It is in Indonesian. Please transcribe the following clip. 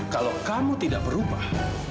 kalau kamu tidak berubah